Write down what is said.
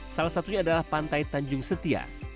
salah satunya adalah pantai tanjung setia